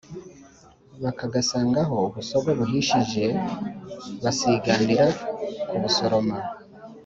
bakagasangaho ubusogo buhishije, baslganira kubusoroma